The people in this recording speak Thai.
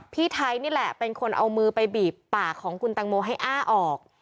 พี่ไทยนี่แหละเป็นคนเอามือไปบีบปากของคุณตังโมให้อ้าออก